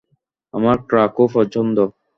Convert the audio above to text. আমার ক্রাকো পছন্দ।